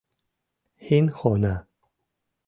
— Хинхона!..